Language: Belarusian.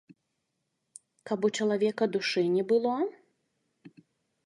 Каб у чалавека душы не было?